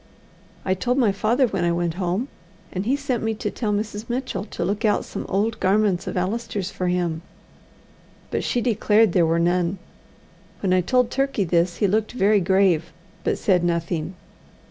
I told my father when I went home, and he sent me to tell Mrs. Mitchell to look out some old garments of Allister's for him; but she declared there were none. When I told Turkey this he looked very grave, but said nothing.